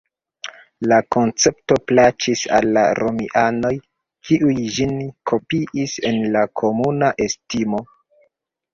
La koncepto plaĉis al la romianoj kiuj ĝin kopiis en la komuna estimo.